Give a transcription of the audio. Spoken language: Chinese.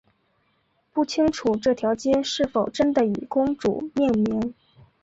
不清楚这条街是否真的以公主命名。